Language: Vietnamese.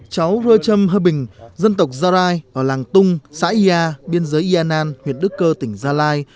cháu rơ trâm hơ bình dân tộc gia rai ở làng tung xã ia biên giới yên an huyện đức cơ tỉnh gia lai